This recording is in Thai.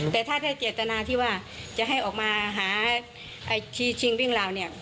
แต่ถ้าเจตนาที่ว่าจะให้ออกมาหาชี้ชิงวิ่งราวเนี่ย